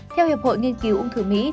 theo hiệp hội nghiên cứu ung thư mỹ